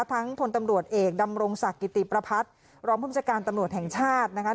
ทั้งผลตำรวจเอกดำรงศักดิ์กิติประพัทธ์รอบพรุ่งศักดิ์การตำรวจแห่งชาตินะคะ